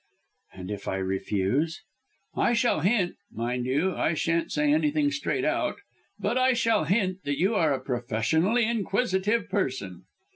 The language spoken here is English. "And if I refuse?" "I shall hint mind you I shan't say anything straight out but I shall hint that you are a professionally inquisitive person."